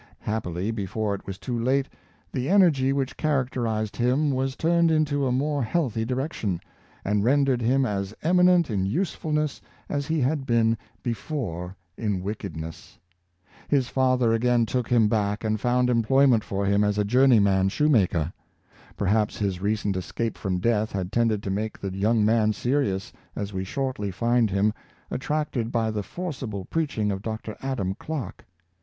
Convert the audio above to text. Happily, before it was too late, the energy which characterized him was turned into a more healthy direction, and rendered him as eminent in usefulness as he had been before in wickedness. His father again took him back and found employment for him as a journeyman shoemaker. Per haps his recent escape from death had tended to make the young man serious, as we shortly find him, attracted by the forcible preaching of Dr. Adam Clarke.